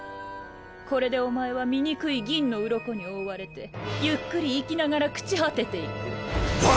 これでおまえは醜い銀の鱗に覆われてゆっくり生きながら朽ち果てていく。爆！